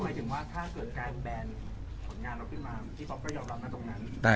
หมายถึงว่าถ้าเกิดการแบนผลงานเราขึ้นมาพี่ป๊อปก็ยอมรับนะตรงนั้น